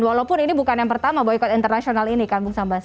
walaupun ini bukan yang pertama boykot internasional ini kan bung sambas